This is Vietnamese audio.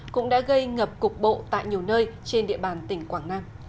cũng đã gây ngập cục bộ tại nhiều nơi trên địa bàn tỉnh quảng nam